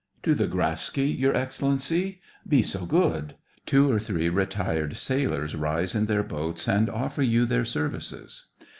" To the Grafsky, Your Excellency } be so good. Two or three retired sailors rise in their boats and offer you their services.